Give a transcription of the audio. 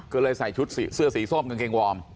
ก็เลยใส่ชุดเสื้อสีส้มกางเกงวอร์ม